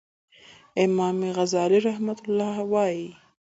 الف : امام غزالی رحمه الله وایی